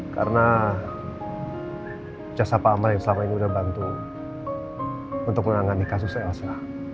karena jasa pak amar yang selama ini udah bantu untuk menganggap kasus elsa